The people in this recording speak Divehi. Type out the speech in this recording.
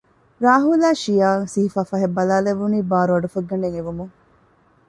ރާހުލް އާއި ޝިޔާއަށް ސިހިފައި ފަހަތް ބަލާލެވުނީ ބާރު އަޑުފައްގަނޑެއް އިވުމުން